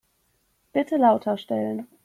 Bitte lauter stellen.